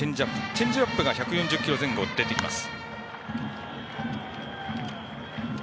チェンジアップが１４０キロ前後、出てきます。